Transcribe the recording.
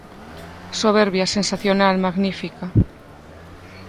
Soberbia, sensacional, magnífica.